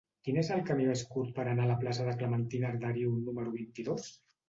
Quin és el camí més curt per anar a la plaça de Clementina Arderiu número vint-i-dos?